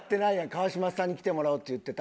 川島さんに来てもらおうって言ってた。